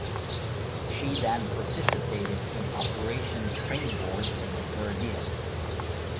She then participated in operation "Springboard" in the Caribbean.